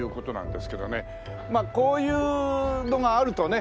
まあこういうのがあるとね